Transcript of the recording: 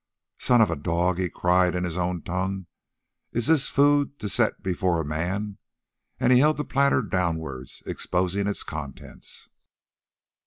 "Son of a dog!" he cried in his own tongue, "is this food to set before a man?" And he held the platter downwards, exposing its contents.